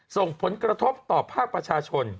ส่งผลกระทบต่อภาคประชาชน